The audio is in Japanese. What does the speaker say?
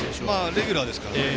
レギュラーですからね。